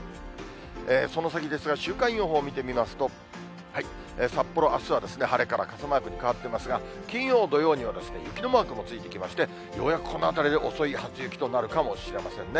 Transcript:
その先ですが週間予報見てみますと、札幌、あすは晴れから傘マークに変わってますが、金曜、土曜には雪のマークもついてきまして、ようやくこのあたりで遅い初雪となるかもしれませんね。